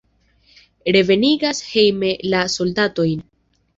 Revenigas hejmen la soldatojn!